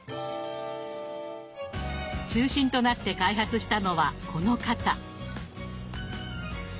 中心となって開発したのはこの方。